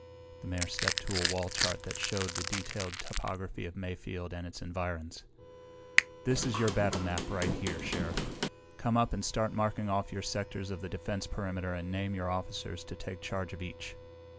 The Mayor stepped to a wall chart that showed the detailed topography of Mayfield and its environs. "This is your battle map right here, Sheriff. Come up and start marking off your sectors of the defense perimeter and name your officers to take charge of each.